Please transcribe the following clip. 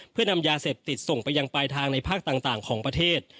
เพื่อนำยาเสพติดส่งไปยังปลายทางในภาคต่างของประเทศ